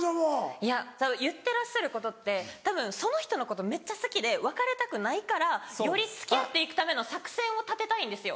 いや言ってらっしゃることってたぶんその人のことめっちゃ好きで別れたくないからより付き合って行くための作戦を立てたいんですよ。